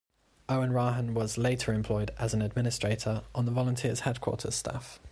O'Hanrahan was later employed as an administrator on the Volunteers headquarters staff.